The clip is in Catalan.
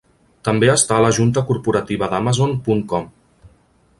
També està a la junta corporativa d'Amazon punt com.